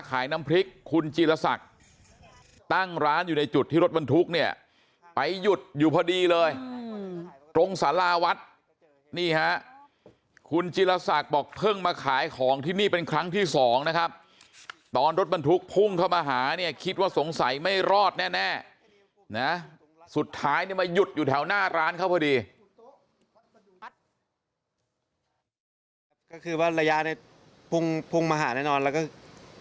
คุณสุนทรนี่ก็คือเครื่องเสียหายมีคนเจ็บอีกนะครับอย่างของคุณสุนทรนี่ก็คือเครื่องเสียหายมีคนเจ็บอีกนะครับอย่างของคุณสุนทรนี่ก็คือเครื่องเสียหายมีคนเจ็บอีกนะครับอย่างของคุณสุนทรนี่ก็คือเครื่องเสียหายมีคนเจ็บอีกนะครับอย่างของคุณสุนทรนี่ก็คือเครื่องเสียหายมีคนเจ็บอีกนะครับอย่างของคุณสุน